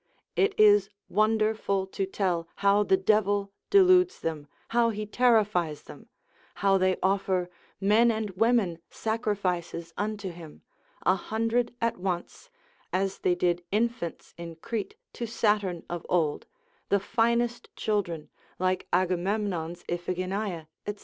It is wonderful to tell how the devil deludes them, how he terrifies them, how they offer men and women sacrifices unto him, a hundred at once, as they did infants in Crete to Saturn of old, the finest children, like Agamemnon's Iphigenia, &c.